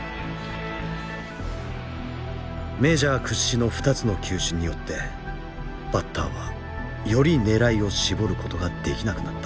メジャー屈指の２つの球種によってバッターはより狙いを絞ることができなくなった。